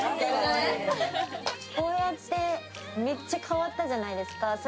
こうやってめっちゃ変わったじゃないですか。